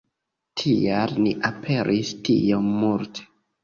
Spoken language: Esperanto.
Tial ni aperis tiom multe.